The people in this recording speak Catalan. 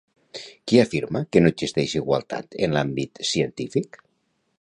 Qui afirma que no existeix igualtat en l'àmbit científic?